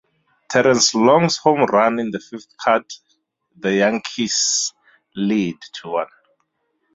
Terrence Long's home run in the fifth cut the Yankees' lead to one.